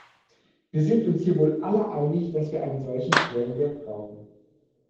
Wir sind uns hier wohl alle einig, dass wir einen solchen Schwellenwert brauchen.